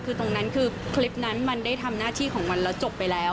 คือตรงนั้นคือคลิปนั้นมันได้ทำหน้าที่ของมันแล้วจบไปแล้ว